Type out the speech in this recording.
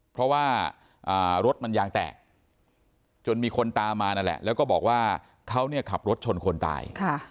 เพราะว่ารถมันยางแตกจนมีคนตามมานั่นแหละแล้วก็บอกว่าเขาเนี่ยขับรถชนคนตาย